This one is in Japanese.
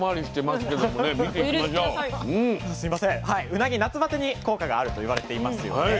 うなぎ夏バテに効果があるといわれていますよね。